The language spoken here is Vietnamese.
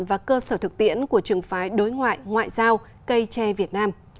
và cơ sở thực tiễn của trường phái đối ngoại ngoại giao cây tre việt nam